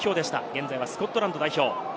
現在はスコットランド代表。